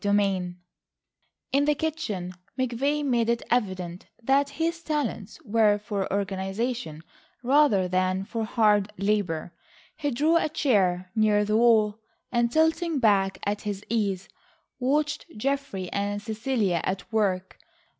VI In the kitchen McVay made it evident that his talents were for organisation rather than for hard labour. He drew a chair near the wall, and tilting back at his ease, watched Geoffrey and Cecilia at work.